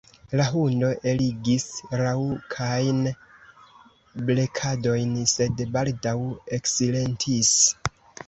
La hundo eligis raŭkajn blekadojn, sed baldaŭ eksilentis.